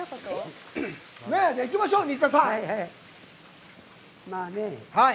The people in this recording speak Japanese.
行きましょう、新田さん。